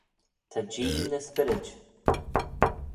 Ta Jee ny spyrryd.